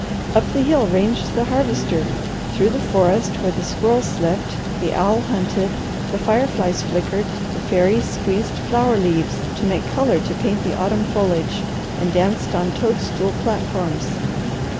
Up the hill ranged the Harvester, through the forest where the squirrels slept, the owl hunted, the fire flies flickered, the fairies squeezed flower leaves to make colour to paint the autumn foliage, and danced on toadstool platforms.